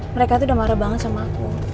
mereka tuh udah marah banget sama aku